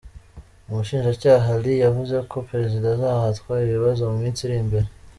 Umushinjacyaha Lee yavuze ko perezida azahatwa ibibazo mu minsi iri imbere.